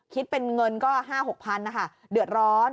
คิดเป็นเงินก็๕๖๐๐๐นะคะเดือดร้อน